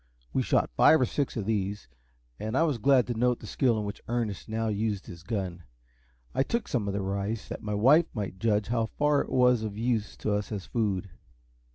We shot five or six of these, and I was glad to note the skill with which Ernest now used his gun. I took some of the rice, that my wife might judge how far it was of use to us as food.